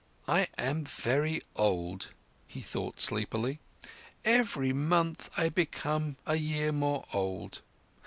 "I am very old," he thought sleepily. "Every month I become a year more old.